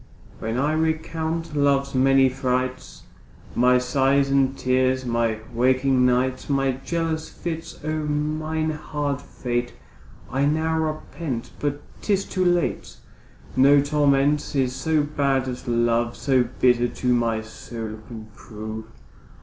When I recount love's many frights, My sighs and tears, my waking nights, My jealous fits; O mine hard fate I now repent, but 'tis too late. No torment is so bad as love, So bitter to my soul can prove.